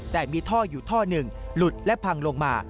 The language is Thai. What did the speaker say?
แต่มีท่ออยู่ท่อหนึ่งหลุดและพังลงมา